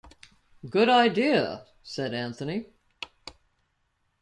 "Good idea," said Anthony.